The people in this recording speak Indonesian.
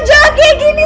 kenapa lo jangan